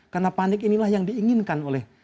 karena panik inilah yang diinginkan oleh